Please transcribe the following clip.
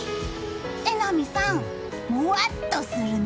榎並さん、もわっとするね。